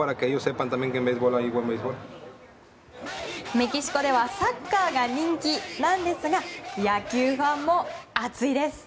メキシコではサッカーが人気なんですが野球ファンも熱いです。